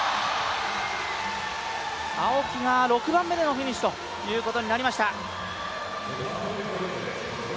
青木が６番目でのフィニッシュということになりました。